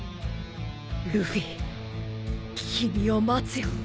ルフィ君を待つよ。